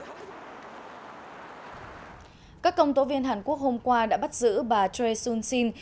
các công tố viên hàn quốc hôm qua đã bắt giữ bà choi soon shin